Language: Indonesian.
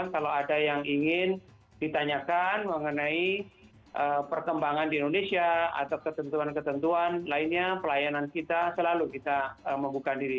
kalau ada yang ingin ditanyakan mengenai perkembangan di indonesia atau ketentuan ketentuan lainnya pelayanan kita selalu kita membuka diri